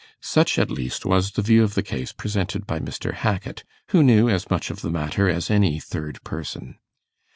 Such, at least, was the view of the case presented by Mr. Hackit, who knew as much of the matter as any third person.